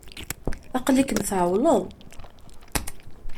Aql-ikem tεewwleḍ.